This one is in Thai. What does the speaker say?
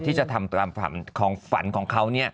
ที่จะทำความฝันของเขา